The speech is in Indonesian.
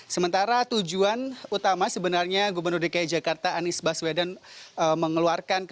sementara tujuan utama sebenarnya gubernur dki jakarta anies baswedan mengeluarkan